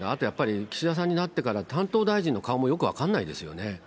やっぱり岸田さんになってから、担当大臣の顔もよく分かんないですよね。